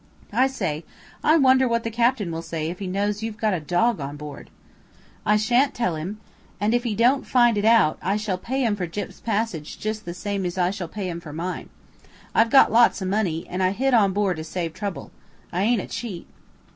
"I say, I wonder what the captain will say if he knows you've got a dog on board?" "I sha'n't tell him, and if he don't find it out I shall pay him for Gyp's passage just the same as I shall pay him for mine. I've got lots of money, and I hid on board to save trouble. I ain't a cheat."